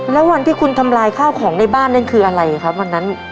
แล้ววันที่คุณทำลายข้าวของในบ้านนั่นคืออะไรครับวันนั้น